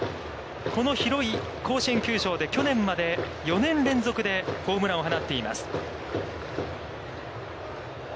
この広い甲子園球場で去年まで４年連続でホームランを放っています。